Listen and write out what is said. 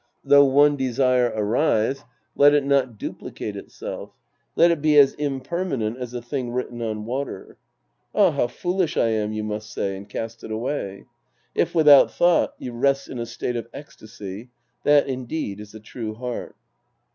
Though one desire arise, let it not duplicate itself. Let it be as impermanent as a thing written on water. " Ah, how foolish I am," you must say, and cast it away. If, without thought, you rest in a state of ecstasy, that, indeed, is a true heart.